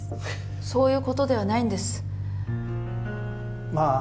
そういうことではないんですまあ